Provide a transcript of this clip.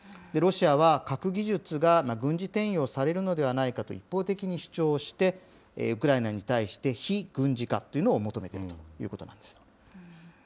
ロシアは核技術が、軍事転用されるのではないかと一方的に主張して、ウクライナに対して、非軍事化というのを求めているということなんです。